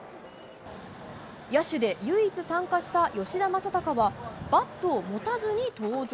野手で唯一参加した吉田正尚は、バットを持たずに登場。